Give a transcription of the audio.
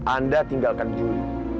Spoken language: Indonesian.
anda tinggalkan juli